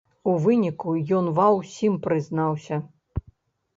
У выніку ён ва ўсім прызнаўся.